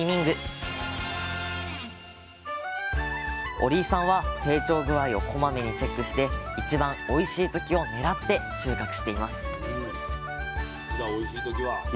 折井さんは成長具合をこまめにチェックして一番おいしいときを狙って収穫しています